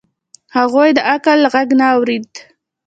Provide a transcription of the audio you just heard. هغوی د عقل غږ نه اورېد.